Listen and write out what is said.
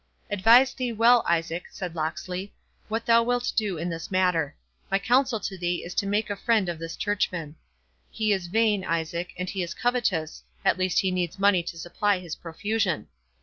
"Advise thee well, Isaac," said Locksley, "what thou wilt do in this matter; my counsel to thee is to make a friend of this churchman. He is vain, Isaac, and he is covetous; at least he needs money to supply his profusion.